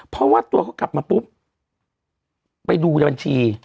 เพราะว่าตัวเขากลับมาปุ๊บไปดูในบัญชี